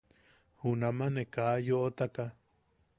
Junama ne ka yoʼotaka.